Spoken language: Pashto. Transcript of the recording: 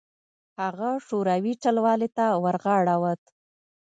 هغه شوروي ټلوالې ته ورغاړه وت.